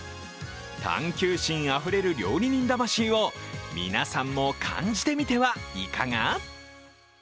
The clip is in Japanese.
探究心あふれる料理人魂を皆さんも感じてみてはいかが？